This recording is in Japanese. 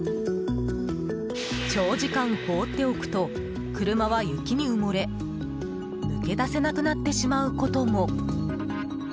長時間放っておくと車は雪に埋もれ抜け出せなくなってしまうことも。